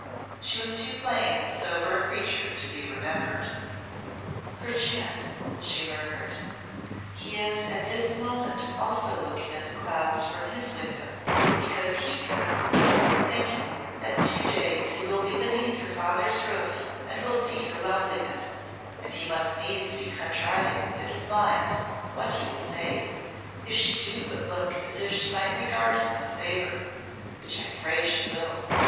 She was too plain and sober a creature to be remembered. "Perchance," she murmured, "he is at this moment also looking at the clouds from his window, because he cannot sleep for thinking that in two days he will be beneath her father's roof and will see her loveliness, and he must needs be contriving within his mind what he will say, if she do but look as if she might regard him with favour, which I pray she will."